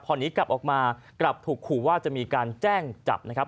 พอนี้กลับออกมากลับถูกขู่ว่าจะมีการแจ้งจับนะครับ